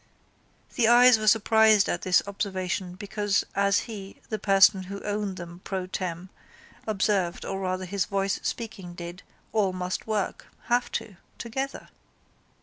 The eyes were surprised at this observation because as he, the person who owned them pro tem. observed or rather his voice speaking did, all must work, have to, together.